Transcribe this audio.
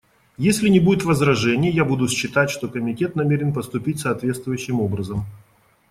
Если не будет возражений, я буду считать, что Комитет намерен поступить соответствующим образом.